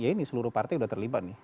ya ini seluruh partai sudah terlibat nih